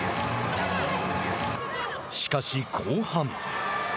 しかし、後半。